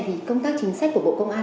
thì công tác chính sách của bộ công an